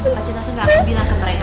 wajah tante gak aku bilang ke mereka